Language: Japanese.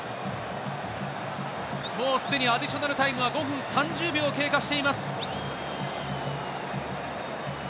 もうすでにアディショナルタイムは５分３０秒を経過しています。